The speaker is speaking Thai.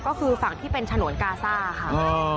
ก็คือฝั่งที่เป็นฉนวนกาซ่าค่ะ